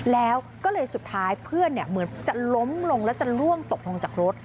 แล้วก็เลยสุดท้ายเพื่อนเหมือนจะล้มลงแล้วจะล่วงตกลงจากรถ